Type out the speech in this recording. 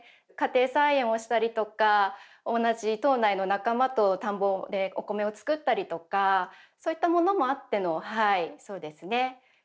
家庭菜園をしたりとか同じ島内の仲間と田んぼでお米を作ったりとかそういったものもあってのはいそうですね